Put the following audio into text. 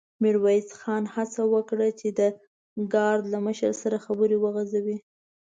ميرويس خان هڅه وکړه چې د ګارد له مشر سره خبرې وغځوي.